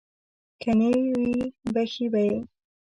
که نه وي بښي به یې.